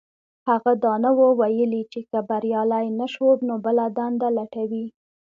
هغه دا نه وو ويلي چې که بريالی نه شو نو بله دنده لټوي.